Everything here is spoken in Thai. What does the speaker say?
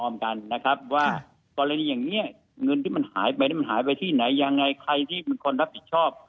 ไม่ที่มันหายไปที่ไหนยังไงใครที่มันคณรับผิด